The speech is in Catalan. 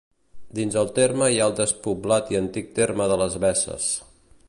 Dins el terme hi ha el despoblat i antic terme de les Besses.